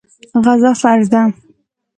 غزا فرض ده.